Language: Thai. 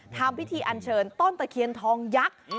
ทำพิธีอันเชิญต้นตะเคียนทองยักษ์